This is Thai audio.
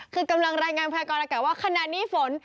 คือกำลังรายงานพยากรอากาศว่าขณะนี้ฝน